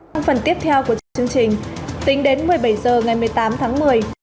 phần tiếp theo của chương trình